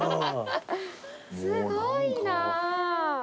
すごいなあ。